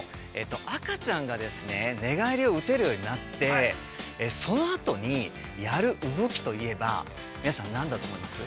赤ちゃんが、寝返りを打てるようになって、そのあとに、やる動きといえば、皆さん、なんだと思います？